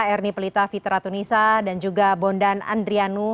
ernie pelita fitra tunisa dan juga bondan andrianu